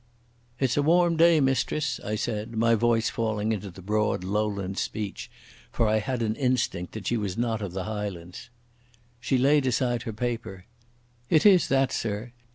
"It's a warm day, mistress," I said, my voice falling into the broad Lowland speech, for I had an instinct that she was not of the Highlands. She laid aside her paper. "It is that, sir.